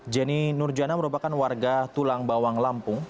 jenny nurjana merupakan warga tulang bawang lampung